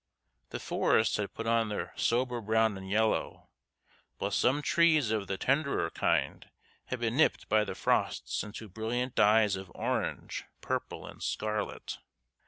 The forests had put on their sober brown and yellow, while some trees of the tenderer kind had been nipped by the frosts into brilliant dyes of orange, purple, and scarlet.